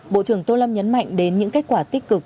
bộ trưởng tô lâm nhấn mạnh đến những kết quả tích cực